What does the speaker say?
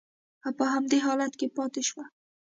او په همدې حالت کې پاتې شوه